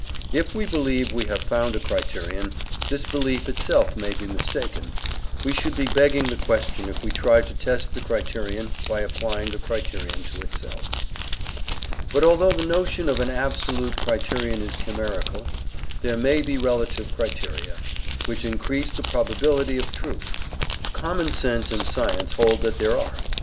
If we believe we have found a criterion, this belief itself may be mistaken; we should be begging the question if we tried to test the criterion by applying the criterion to itself. But although the notion of an absolute criterion is chimerical, there may be relative criteria, which increase the probability of truth. Common sense and science hold that there are.